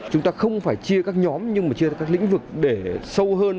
chúng ta không phải chia các nhóm nhưng mà chia ra các lĩnh vực để sâu hơn